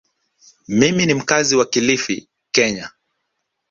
Mimi ni mkazi wa Kilifi, Kenya.